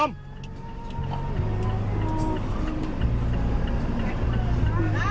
ไม่